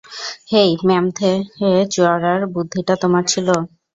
হেই, ম্যামথে চড়ার বুদ্ধিটা তোমার ছিল।